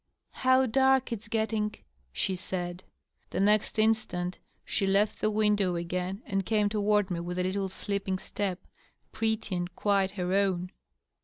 " How dark it's getting!" she said. The next instant she left the window again and came toward me with a little sUpping step, pretty and quite her own.